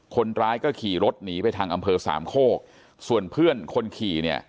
คนร้ายก็ขี่รถหนีไปทางอำเภอสามโคกส่วนเพื่อนคนขี่เนี่ย